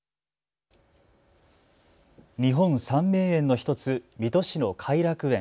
日本三名園の１つ、水戸市の偕楽園。